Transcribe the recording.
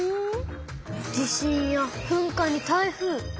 地震や噴火に台風。